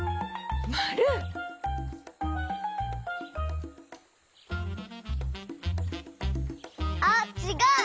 まる！あっちがう！